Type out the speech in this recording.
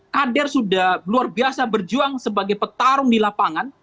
kader sudah luar biasa berjuang sebagai petarung di lapangan